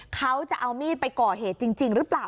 เขาจะเอามีดไปก่อเหตุจริงหรือเปล่า